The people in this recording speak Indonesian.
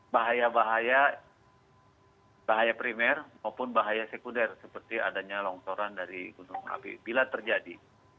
bahaya bahaya bahaya primer maupun bahaya sekunder seperti adanya longsoran dari gunung api bila terjadi